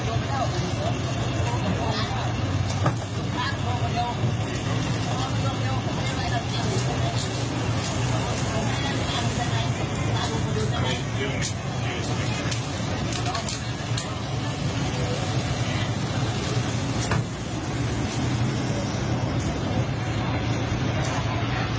โอ้โอ้โอ้โอ้โอ้โอ้